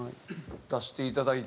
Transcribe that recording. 出していただいて。